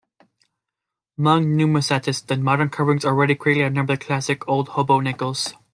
Among numismatists, the modern carvings already greatly outnumber the classic old hobo nickels.